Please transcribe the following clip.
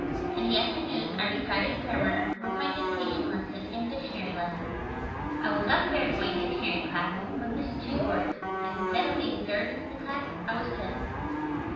In the afternoon I recited grammar, wrote my dictation lesson and Dictionary lesson. I was up third in my Dictionary class but missed two words, and instead of being third in the class, I was fifth.